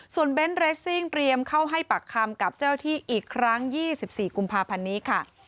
ส่วนเบนท์เรสซิ่งเตรียมเข้าให้ปากคำกับเจ้าที่อีกครั้ง๒๔กุมภาพันธ์นี้ค่ะ